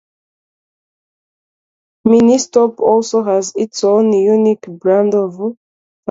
Ministop also has its own unique brand of fast food.